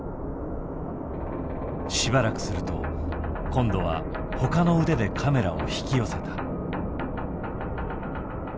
しばらくすると今度はほかの腕でカメラを引き寄せた。